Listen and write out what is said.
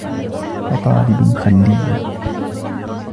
وَطَالِبٍ خَلِيٍّ